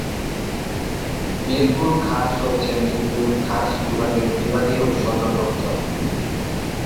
মিরপুর খাস হচ্ছে মিরপুর খাস বিভাগের বিভাগীয় সদর দপ্তর।